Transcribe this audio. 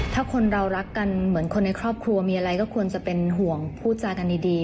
ถ้าคนเรารักกันเหมือนคนในครอบครัวมีอะไรก็ควรจะเป็นห่วงพูดจากันดี